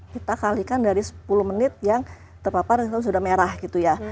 kita kalikan dari sepuluh menit yang terpapar kita sudah merah gitu ya